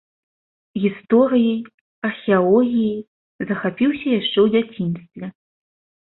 Гісторыяй, археалогіяй захапіўся яшчэ ў дзяцінстве.